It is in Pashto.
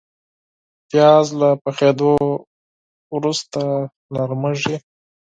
پیاز له پخېدو وروسته نرمېږي